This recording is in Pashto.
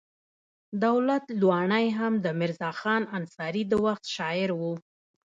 دولت لواڼی هم د میرزا خان انصاري د وخت شاعر و.